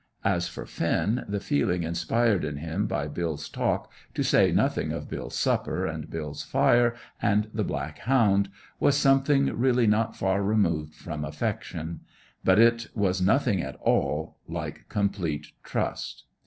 As for Finn, the feeling inspired in him by Bill's talk, to say nothing of Bill's supper, and Bill's fire, and the black hound, this was something really not far removed from affection; but it was nothing at all like complete trust.